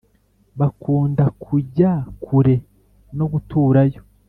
bakunda kujya kure no guturayo